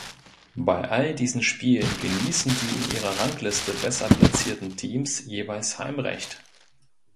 Bei all diesen Spielen genießen die in ihrer Rangliste besser platzierten Teams jeweils Heimrecht.